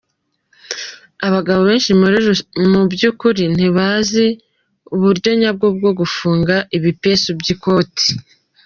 Abagabo benshi mu by’ukuri ntibazi uburyo nyabwo bwo gufungamo ibipesu by’ikoti.